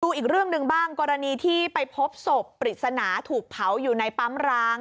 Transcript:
อีกเรื่องหนึ่งบ้างกรณีที่ไปพบศพปริศนาถูกเผาอยู่ในปั๊มร้าง